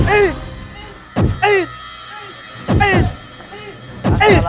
aku akan menangkapmu